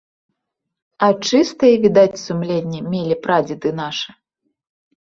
А чыстае, відаць, сумленне мелі прадзеды нашы.